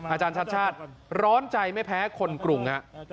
อาจารย์ชาติชาติร้อนใจไม่แพ้คนกรุงฮะ